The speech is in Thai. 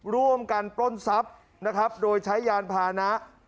ปล้นทรัพย์นะครับโดยใช้ยานพานะ